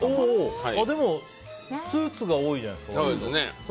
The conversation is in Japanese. でもスーツが多いじゃないですか。